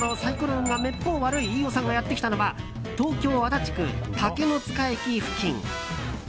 運がめっぽう悪い飯尾さんがやってきたのは東京・足立区竹ノ塚駅付近。